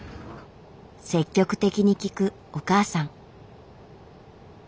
積極的に聞くお母さん。